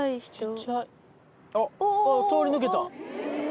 あっ通り抜けた！